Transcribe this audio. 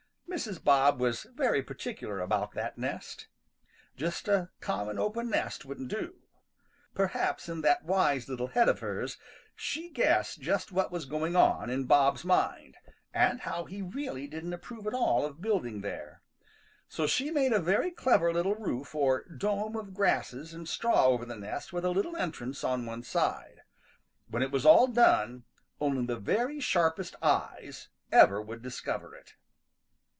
Mrs. Bob was very particular about that nest. Just a common open nest wouldn't do. Perhaps in that wise little head of hers she guessed just what was going on in Bob's mind and how he really didn't approve at all of building there. So she made a very clever little roof or dome of grasses and straw over the nest with a little entrance on one side. When it was all done only the very sharpest eyes ever would discover it.